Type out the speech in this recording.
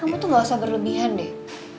iya kan kamu tuh gak usah berlebihan deh